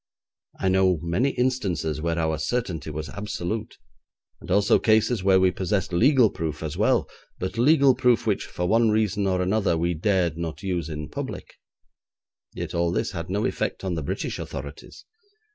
I know many instances where our certainty was absolute, and also cases where we possessed legal proof as well, but legal proof which, for one reason or another, we dared not use in public; yet all this had no effect on the British authorities.